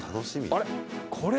あれ？